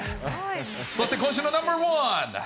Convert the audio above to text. そして今週のナンバーワン。